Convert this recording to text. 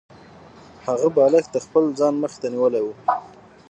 هغه بالښت د خپل ځان مخې ته نیولی و